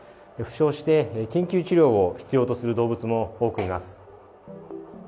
負傷して緊急治療を必要とする動物も多くいます。